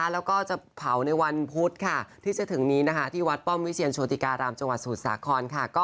แล้วก็จะเผาในวันพุธที่จะถึงนี้ที่วัดป้อมวิเชียรโชติการามจังหวัดสมุทรสาครค่ะ